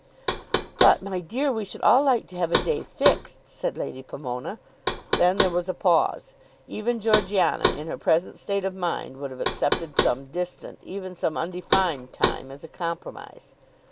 "But, my dear, we should all like to have a day fixed," said Lady Pomona. Then there was a pause. Even Georgiana, in her present state of mind, would have accepted some distant, even some undefined time, as a compromise.